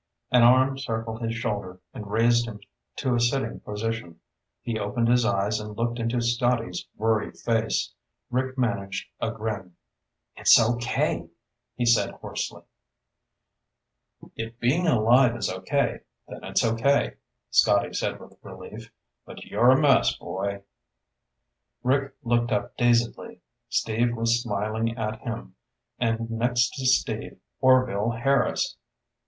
An arm circled his shoulder and raised him to a sitting position. He opened his eyes and looked into Scotty's worried face. Rick managed a grin. "It's okay," he said hoarsely. "If being alive is okay, then it's okay," Scotty said with relief. "But you're a mess, boy." Rick looked up dazedly. Steve was smiling at him, and next to Steve, Orvil Harris!